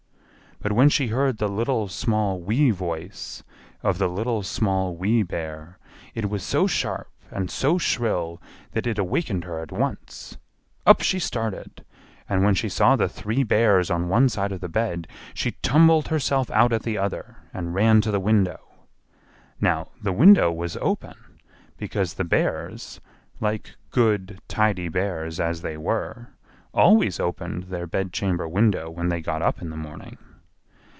But when she heard the little, small, wee voice of the Little, Small, Wee Bear, it was so sharp and so shrill that it awakened her at once. Up she started, and when she saw the three bears on one side of the bed she tumbled herself out at the other and ran to the window. Now the window was open, because the Bears, like good, tidy bears as they were, always opened their bedchamber window when they got up in the morning.